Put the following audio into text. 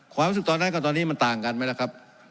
ความรู้สึกตอนนั้นกับตอนนี้มันต่างกันไหมล่ะครับ